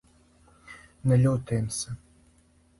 Не љутим се!